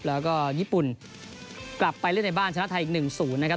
แล้วก็ญี่ปุ่นกลับไปเล่นในบ้านชนะไทยอีก๑๐นะครับ